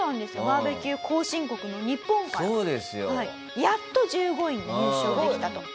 バーベキュー後進国の日本がやっと１５位に入賞できたと。